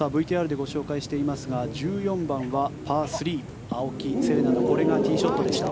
ＶＴＲでご紹介していますが１４番はパー３、青木瀬令奈のこれがティーショットでした。